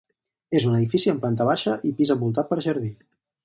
És un edifici amb planta baixa i pis envoltat per jardí.